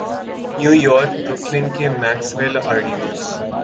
new York Brooklyn کے Maxwell آرڈی was